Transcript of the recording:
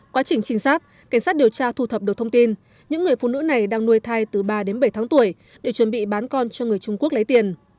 quá trình trinh sát cảnh sát điều tra thu thập được thông tin những người phụ nữ này đang nuôi thai từ ba đến bảy tháng tuổi để chuẩn bị bán con cho người trung quốc lấy tiền